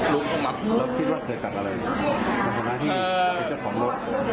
ลูกออกมาแล้วคิดว่าเคยจัดอะไรเพราะว่าเป็นจัดของรถ